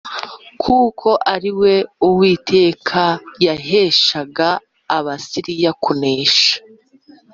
kuko ari we Uwiteka yaheshaga Abasiriya kunesha